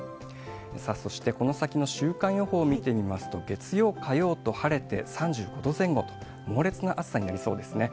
そして、この先の週間予報を見てみますと、月曜、火曜と晴れて、３５度前後と、猛烈な暑さになりそうですね。